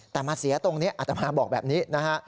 แต่มาเสียตรงนี้อัตมาบอกแบบนี้นะฮะ